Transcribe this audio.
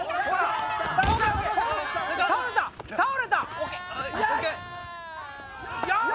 倒れた！